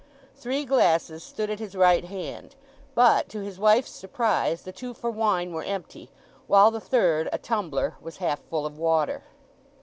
Three glasses stood at his right hand; but, to his wife's surprise, the two for wine were empty, while the third, a tumbler, was half full of water.